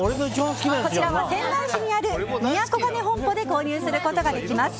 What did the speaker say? こちらは仙台市にあるみやこがね本舗で購入することができます。